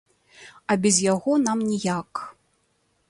А без яго нам ніяк.